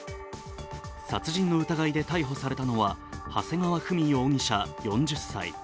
殺人の疑いで逮捕されたのは長谷川富美容疑者４０歳。